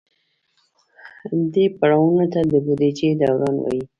دې پړاوونو ته د بودیجې دوران وایي.